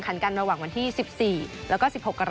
ก็จะเมื่อวันนี้ตอนหลังจดเกม